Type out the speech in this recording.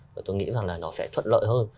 và tôi nghĩ rằng là nó sẽ thuận lợi hơn